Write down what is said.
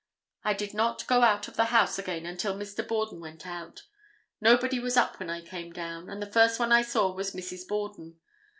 I did not go out of the house again until Mr. Borden went out. Nobody was up when I came down, and the first one I saw was Mrs. Borden.